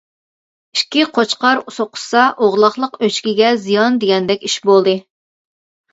ئىككى قوچقار سوقۇشسا ئوغلاقلىق ئۆچكىگە زىيان دېگەندەك ئىش بولدى.